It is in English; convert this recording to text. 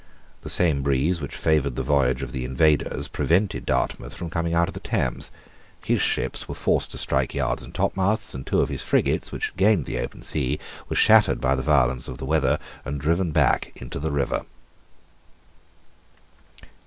The same breeze which favoured the voyage of the invaders prevented Dartmouth from coming out of the Thames. His ships were forced to strike yards and topmasts; and two of his frigates, which had gained the open sea, were shattered by the violence of the weather and driven back into the river.